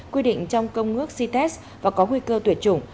quy định trong công ước cites và có nguy cơ tuyệt chủng